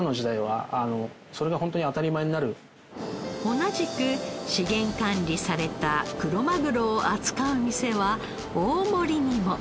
同じく資源管理されたクロマグロを扱う店は大森にも。